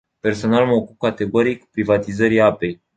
Personal mă opun categoric privatizării apei.